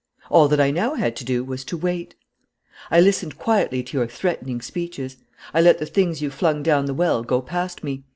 All that I now had to do was to wait. "I listened quietly to your threatening speeches. I let the things you flung down the well go past me.